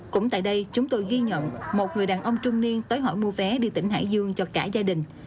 cũng tại đây chúng tôi ghi nhận một người đàn ông trung niên tới hỏi mua vé đi tỉnh hải dương cho cả gia đình